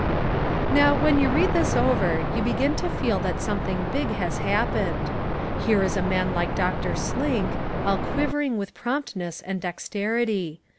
Now when you read this over you begin to feel that something big has happened. Here is a man like Dr. Slink, all quivering with promptness and dexterity.